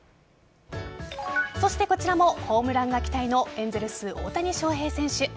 そしてこちらもホームランが期待のエンゼルス・大谷翔平選手。